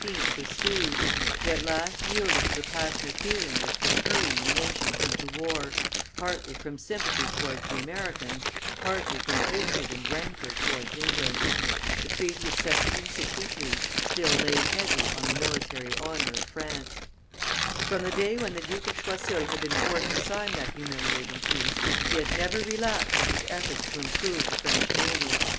was soothed; he at last yielded to the passionate feeling which was hurrying the nation into war, partly from sympathy towards the Americans, partly from hatred and rancor towards England. The treaty of 1763 still lay heavy on the military honor of France. From the day when the Duke of Choiseul had been forced to sign that humiliating peace, he had never relaxed in his efforts to improve the French navy.